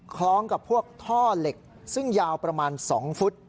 คล้องกับพวกท่อเหล็กซึ่งยาวประมาณ๒ฟุต